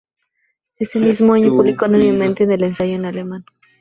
Ese mismo año publicó anónimamente en el ensayo en alemán.